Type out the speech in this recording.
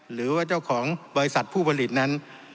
หรือว่าเจ้าของบริษัทผู้ผลิตนั้น